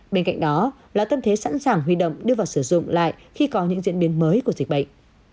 bên cạnh đó là tâm thế sẵn sàng huy động đưa vào sử dụng lại khi có những diễn biến mới của dịch bệnh